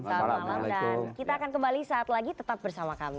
dan kita akan kembali saat lagi tetap bersama kami